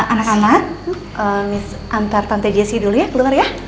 anak anak antar tante jessi dulu ya keluar ya